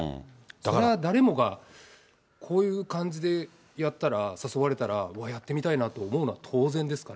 それは誰もが、こういう感じでやったら、誘われたら、わー、やってみたいなと思うのは、当然ですから。